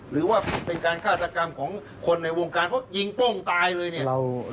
หรือว่าเป็นการฆาตกรรมของคนในวงการเพราะยิงโป้งตายเลยเนี่ย